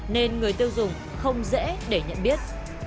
nên người tiêu dùng không dễ để nhận biết